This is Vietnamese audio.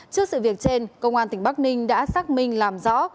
trước sự việc trên công an tỉnh bắc ninh đã xác minh làm rõ